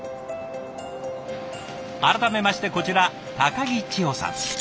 改めましてこちら木千歩さん。